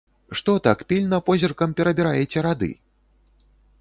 Што так пільна позіркам перабіраеце рады?